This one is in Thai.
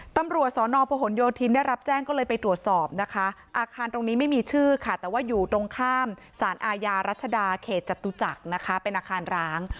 ตำรวจสอนอพหนโยธินได้รับแจ้งก็เลยไปตรวจสอบนะคะอาคารตรงนี้ไม่มีชื่อค่ะแต่ว่าอยู่ตรงข้ามสารอาญารัชดาเขตจตุจักรนะคะเป็นอาคารร้าง